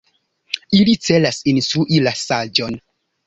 Ili celas instrui la Saĝon.